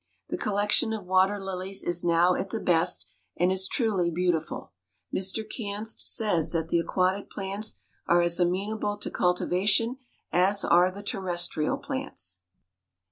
The collection of water lilies is now at the best and is truly beautiful. Mr. Kanst says that the aquatic plants are as amenable to cultivation as are the terrestrial plants.